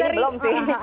ya saat ini belum sih